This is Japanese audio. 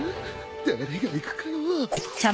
誰が行くかよ。